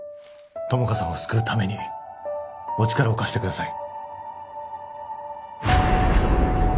友果さんを救うためにお力を貸してください